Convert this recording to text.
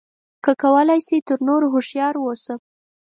که کولای شې تر نورو هوښیار اوسه.